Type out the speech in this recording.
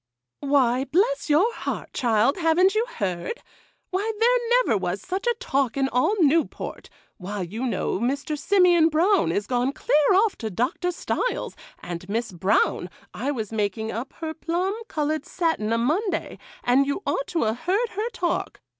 'Why, bless your heart, child, haven't you heard? Why, there never was such a talk in all Newport. Why, you know Mr. Simeon Brown is gone clear off to Doctor Stiles; and Miss Brown, I was making up her plum coloured satin a' Monday, and you ought to 'a' heard her talk.